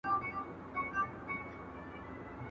¬ شناخت به کوو، کور ته به نه سره ځو.